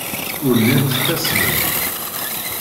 Ur llint ttasment.